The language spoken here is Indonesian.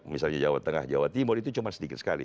misalnya jawa tengah jawa timur itu cuma sedikit sekali